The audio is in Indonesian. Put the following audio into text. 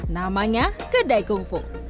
namanya kedai kung fu